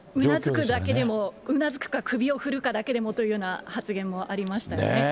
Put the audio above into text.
うなづくだけでも、うなずくか、首を振るかだけでもという発言がありましたよね。